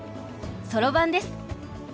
「そろばん」です。